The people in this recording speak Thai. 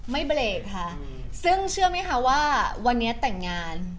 ไม่เบรกค่ะซึ่งเชื่อไหมคะว่าวันนี้แต่งงาน